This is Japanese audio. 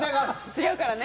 違うからね。